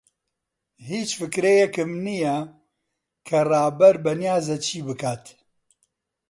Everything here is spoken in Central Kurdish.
هیچ فکرەیەکم نییە کە ڕابەر بەنیازە چی بکات.